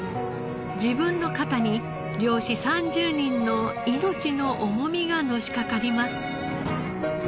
自分の肩に漁師３０人の命の重みがのしかかります。